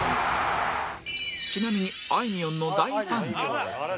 ちなみにあいみょんの大ファンで